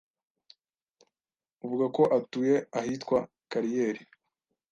uvuga ko atuye ahitwa Kariyeri